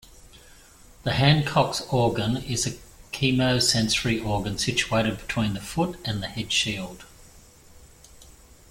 The Hancock's organ is a chemosensory organ situated between the foot and the headshield.